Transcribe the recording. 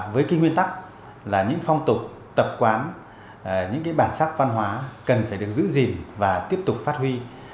với cái nguyên tắc là những phong tục tập quán những bản sắc văn hóa cần phải được giữ gìn và tiếp tục phát huy